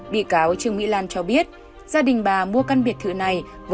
bị cáo trương mỹ lan cho biết gia đình bà mua căn biệt thự này